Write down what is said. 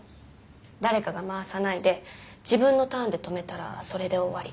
誰かが回さないで自分のターンで止めたらそれで終わり。